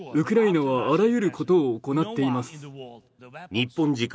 日本時間